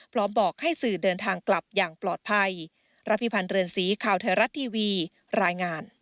บอกให้สื่อเดินทางกลับอย่างปลอดภัย